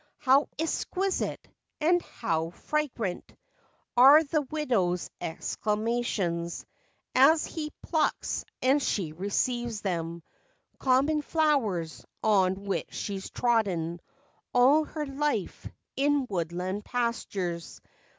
How exquisite ! And how fragrant! " Are the widow's exclamations As he plucks and she receives them— Common flowers, on which she's trodden All her life, in woodland pastures.